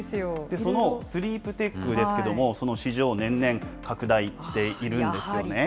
そのスリープテックですけれども、その市場、年々拡大しているんですよね。